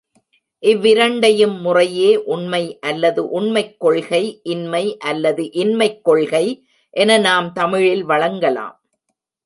இவ்விரண்டையும் முறையே, உண்மை அல்லது உண்மைக் கொள்கை, இன்மை அல்லது இன்மைக் கொள்கை என நாம் தமிழில் வழங்கலாம்.